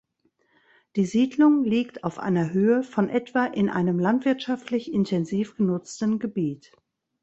Die Siedlung liegt auf einer Höhe von etwa in einem landwirtschaftlich intensiv genutzten Gebiet.